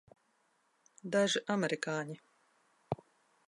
Daži amerikāņi.